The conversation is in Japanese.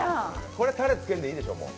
これたれつけんでいいでしょもう。